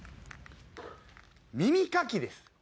耳かきです。